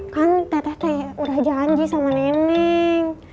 kan teh teh udah janji sama neneng